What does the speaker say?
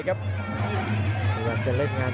สวัสดิ์นุ่มสตึกชัยโลธสวัสดิ์